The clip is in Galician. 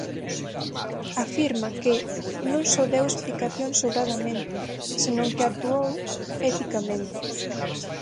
Afirma que "non só deu explicacións sobradamente, senón que actuou eticamente".